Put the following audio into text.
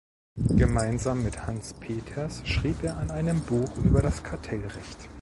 Gemeinsam mit Hans Peters schrieb er an einem Buch über das Kartellrecht.